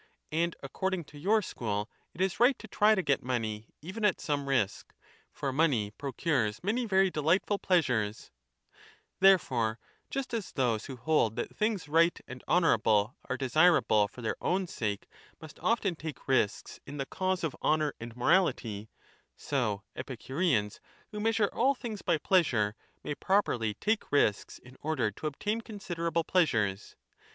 And according to your school it is right to try to get money even at some risk ; for money procures many very deUghtful plew Therefore just as those who hold that things right and honourable are desirable for their own sake must often take risks in the cause of honour and morality, so Epicureans, who measure all things by plea may properly take risks in order to obtain consider able pleasures.